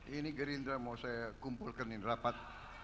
ini gerindra mau saya kumpulkan ini rapat